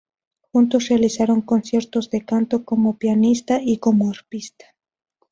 Juntos realizaron conciertos de canto, como pianista y como arpista.